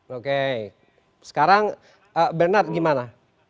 oke sekarang bernard gimana